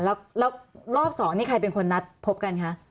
เอ่อแล้วรอบสองในใครเป็นคนนัดพบกันคะ